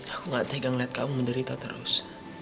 aku gak tegang lihat kamu menderita terus